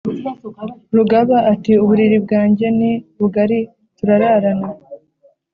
rugaba Ati: "Uburiri bwanjye ni bugari turararana''